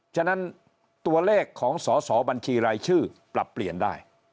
ฉะนั้นตัวเลขของสอสอบัญชีรายชื่อปรับเปลี่ยนได้